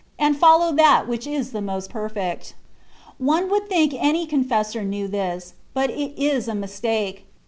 and follow that which is the most perfect. One would think any confessor knew this ; but it is a mistake.